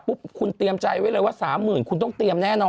คุณเตรียมใจไว้เลยว่า๓๐๐๐คุณต้องเตรียมแน่นอน